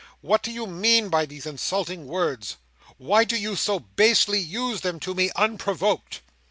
"What do you mean by these insulting words? Why do you so basely use them to me, unprovoked?"